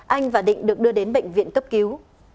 anh và định được đưa đến bệnh viện cấp cứu